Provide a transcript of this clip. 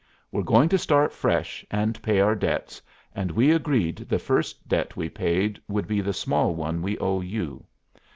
We're going to start fresh and pay our debts, and we agreed the first debt we paid would be the small one we owe you.